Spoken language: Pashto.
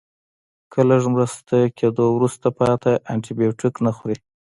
له لږ ښه کیدو وروسته پاتې انټي بیوټیک نه خوري.